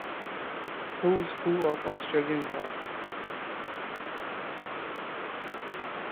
"Who's Who of Australian Rock".